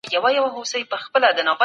ټول افغانان د ملي موخو لپاره هڅه کوي.